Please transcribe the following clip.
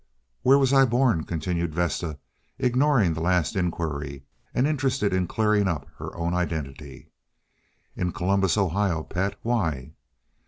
"Where was I born?" continued Vesta, ignoring the last inquiry, and interested in clearing up her own identity. "In Columbus, Ohio, pet. Why?"